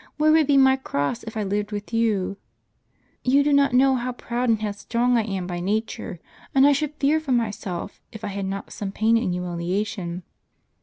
Where would be my cross, if I lived with you ? Tou do not know how proud and headstrong I am by nature ; and I should fear for myself, if I had not some pain and humiliation."